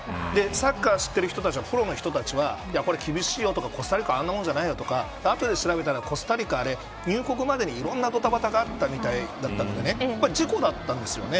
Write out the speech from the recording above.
サッカーを知っているプロの人たちはこれ厳しいよとかコスタリカこんなもんじゃないよとか後で調べたらコスタリカは入国までにいろんなどたばたがあったみたいで事故だったんですよね。